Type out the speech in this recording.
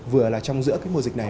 vừa là trong giữa cái mùa dịch này